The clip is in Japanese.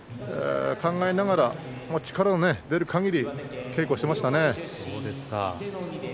考えながら、力の出るかぎり稽古していましたね。